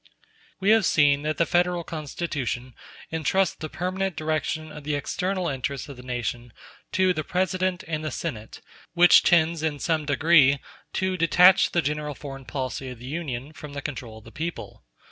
We have seen that the Federal Constitution entrusts the permanent direction of the external interests of the nation to the President and the Senate, *r which tends in some degree to detach the general foreign policy of the Union from the control of the people.